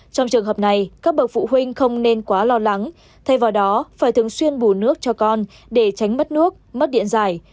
trong trường hợp này các bậc phụ huynh không nên quá lo lắng thay vào đó phải thường xuyên bù nước cho con để tránh mất nước mất điện giải